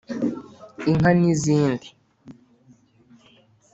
’inka n’izindi.